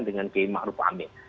dengan kiai makruf amin